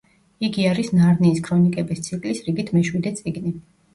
იგი არის ნარნიის ქრონიკების ციკლის რიგით მეშვიდე წიგნი.